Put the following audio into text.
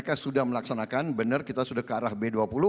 kita sudah melaksanakan benar kita sudah ke arah b dua puluh